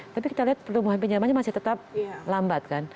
tapi kita lihat pertumbuhan pinjamannya masih tetap lambat kan